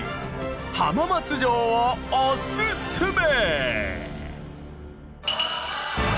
浜松城をおすすめ！